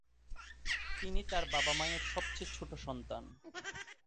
তিনি তার বাবা-মায়ের সবচেয়ে ছোট সন্তান।